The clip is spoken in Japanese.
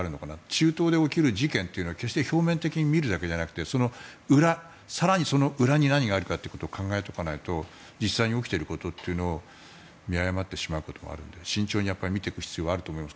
中東で起きる事件というのは表面的に見るだけじゃなくてその裏、更にその裏に何があるかを考えておかないと実際に起きていることというのを見誤ってしまうことがあるので慎重に見ていく必要があると思います。